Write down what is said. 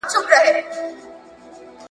هغه وویل چې خواړه به هېڅکله نه سړېږي.